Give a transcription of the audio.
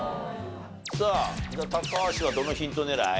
さあ高橋はどのヒント狙い？